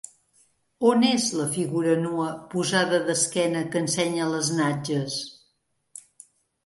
On és la figura nua posada d'esquena que ensenya les natges?